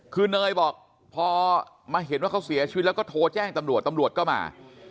คือเนยบอกพอมาเห็นว่าเขาเสียชีวิตแล้วก็โทรแจ้งตำรวจตำรวจก็มา